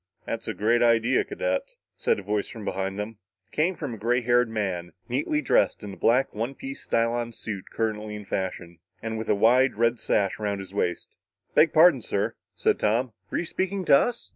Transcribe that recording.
"That's a great idea, cadet," said a voice from behind them. It came from a gray haired man, neatly dressed in the black one piece stylon suit currently in fashion, and with a wide red sash around his waist. "Beg pardon, sir," said Tom, "were you speaking to us?"